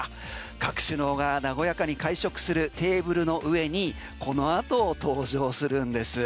各首脳が和やかに会食するテーブルの上にこの後登場するんです。